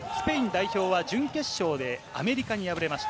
スペイン代表は準決勝でアメリカに敗れました。